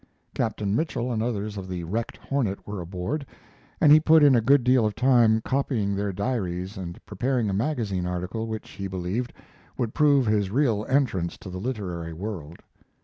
Captain Mitchell and others of the wrecked Hornet were aboard, and he put in a good deal of time copying their diaries and preparing a magazine article which, he believed, would prove his real entrance to the literary world.